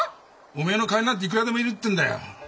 おめえの代わりなんていくらでもいるってんだよ。